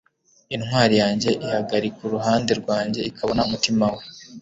intwari yanjye ihagarika uruhande rwanjye ikabona umutima we